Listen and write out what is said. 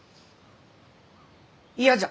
嫌じゃ。